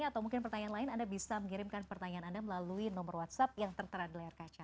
atau mungkin pertanyaan lain anda bisa mengirimkan pertanyaan anda melalui nomor whatsapp yang tertera di layar kaca